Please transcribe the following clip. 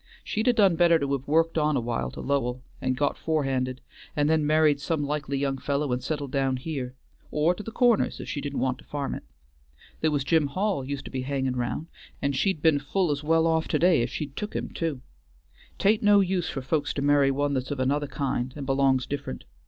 She'd a done better to have worked on a while to Lowell and got forehanded, and then married some likely young fellow and settled down here, or to the Corners if she didn't want to farm it. There was Jim Hall used to be hanging round, and she'd been full as well off to day if she'd took him, too. 'T ain't no use for folks to marry one that's of another kind and belongs different.